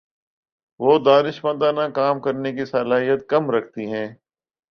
وہ دانشمندانہ کام کرنے کی صلاحیت کم رکھتی ہیں